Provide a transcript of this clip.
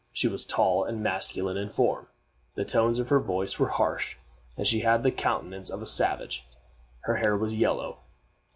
She was tall and masculine in form. The tones of her voice were harsh, and she had the countenance of a savage. Her hair was yellow.